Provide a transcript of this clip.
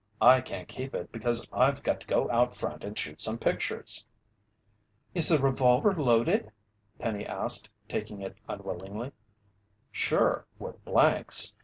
"I can't keep it, because I've got to go out front and shoot some pictures." "Is the revolver loaded?" Penny asked, taking it unwillingly. "Sure, with blanks.